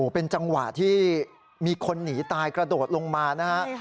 เป็นจังหวะที่มีคนหนีตายกระโดดลงมานะฮะ